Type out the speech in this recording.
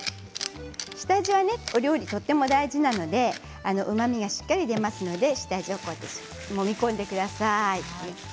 下味は、お料理とても大事なのでうまみがしっかり出ますので下味をもみ込んでください。